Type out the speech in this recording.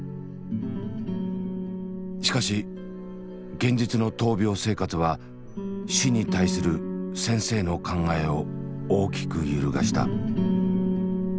しかし現実の闘病生活は死に対する先生の考えを大きく揺るがした。